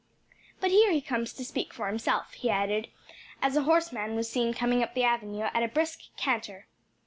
But here he comes to speak for himself," he added, as a horseman was seen coming up the avenue at a brisk canter.